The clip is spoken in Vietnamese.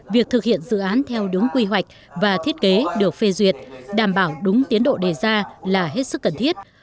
việc thực hiện dự án theo đúng quy hoạch và thiết kế được phê duyệt đảm bảo đúng tiến độ đề ra là hết sức cần thiết